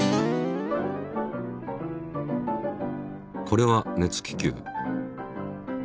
これは熱気球。